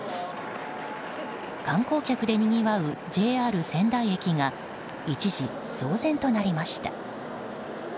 観光客でにぎわうＪＲ仙台駅が一時騒然となりました。